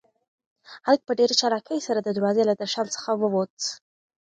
هلک په ډېر چالاکۍ سره د دروازې له درشل څخه ووت.